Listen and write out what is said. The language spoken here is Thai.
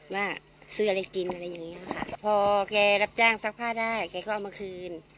ว่าซื้ออะไรกินอะไรอย่างเงี้ยค่ะพอแกรับจ้างซักผ้าได้แกก็เอามาคืน